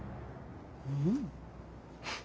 うん。